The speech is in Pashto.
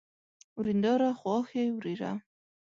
ورېنداره ، خواښې، ورېره